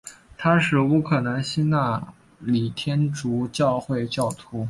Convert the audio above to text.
他们是乌克兰希腊礼天主教会教徒。